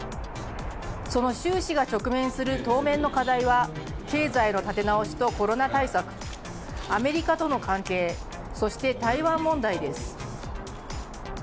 その習氏が直面する当面の課題は経済の立て直しとコロナ対策、アメリカとの関係、そして台湾問題です。